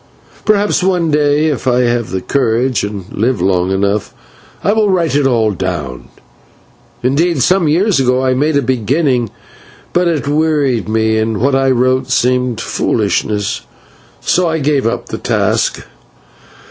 Perhaps, one day, if I have the courage and live long enough, I will write it all down. Indeed, some years ago I made a beginning, and what I wrote seemed foolishness, so I gave up the task.